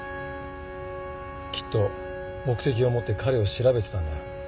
きっと目的を持って彼を調べてたんだよ。